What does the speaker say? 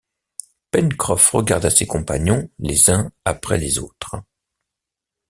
Pencroff regarda ses compagnons les uns après les autres.